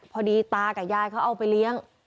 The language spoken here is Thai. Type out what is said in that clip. พอดีตากับยายเขาเอาไปเลี้ยง